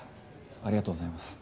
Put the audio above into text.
ありがとうございます。